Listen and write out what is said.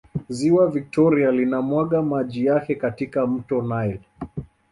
ziwa victoria linamwaga maji yake katika mto nile